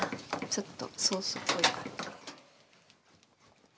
ちょっとソースっぽい。